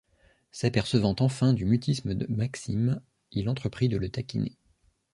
S’apercevant enfin du mutisme de Maxime, il entreprit de le taquiner.